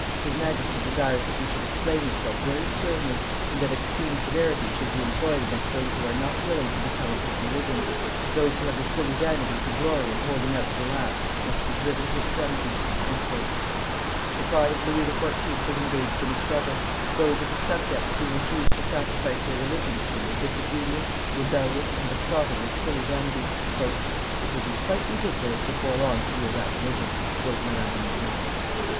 His Majesty desires that you should explain yourself very sternly, and that extreme severity should be employed against those who are not willing to become of his religion; those who have the silly vanity to glory in holding out to the last must be driven to extremity." The pride of Louis XIV. was engaged in the struggle; those of his subjects who refused to sacrifice their religion to him were disobedient, rebellious, and besotted with silly vanity. "It will be quite ridiculous before long to be of that religion," wrote Madame de Maintenon.